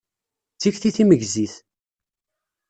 D tikti timegzit.